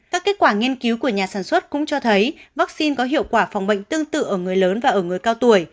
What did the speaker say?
các kết quả nghiên cứu của nhà sản xuất cũng cho thấy vaccine có hiệu quả phòng bệnh tương tự ở người lớn và ở người cao tuổi